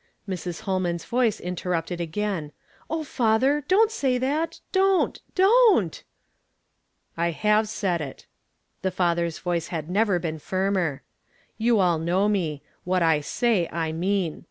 Mrs. Holman's voice interrupted again. " Oh, father, don't say that ! don't ! don't !"" I have said it." The father's voice had never been firmer. " You all know me ; what I say I mean.